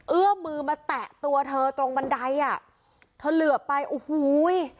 เอื้อมือมาแตะตัวเธอตรงบันไดอ่ะเธอเหลือไปโอ้โห